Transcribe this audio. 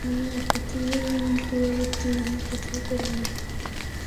আমি এক কথায় পুরাবৃত্তি কোথাও করিনি।